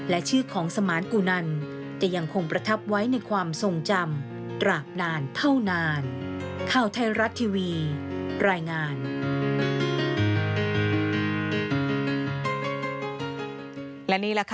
และชื่อของสมานกุนันจะยังคงประทับไว้ในความทรงจำตราบนานเท่านาน